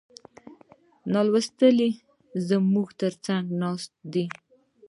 نالوستي زموږ تر څنګ ناست دي.